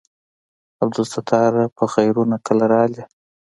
عبدالستاره په خيرونه کله رالې.